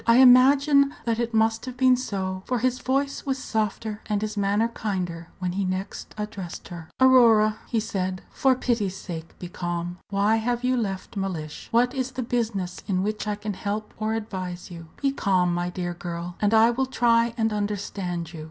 I imagine that it must have been so, for his voice was softer and his manner kinder when he next addressed her. "Aurora," he said, "for pity's sake be calm. Why have you left Mellish? What is the business in which I can help or advise you? Be calm, my dear girl, and I will try and understand you.